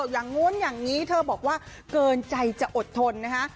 อย่างนู้นอย่างนี้เธอบอกว่าเกินใจจะอดทนนะคะ